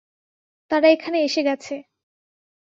তারা এখানে এসে গেছে।